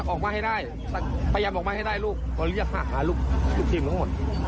ออกมาให้ได้แต่พยายามออกมาให้ได้ลูกตอนเรียกห้าหาลูกทุกทีมทั้งหมด